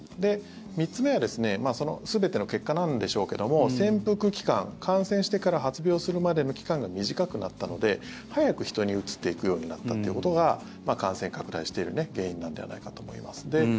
３つ目は全ての結果なんでしょうけども潜伏期間、感染してから発病するまでの期間が短くなったので早く人にうつってくようになったということが感染拡大している原因なのではないかと思います。